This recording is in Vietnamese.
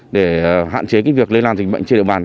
để hạn chế cái việc lây lan dịch bệnh trên địa bàn